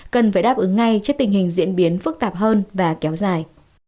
cần phải đáp ứng ngay trước tình hình diễn biến phức tạp hơn và kéo dài